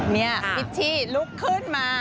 นี่พิชชี่ลุกขึ้นมา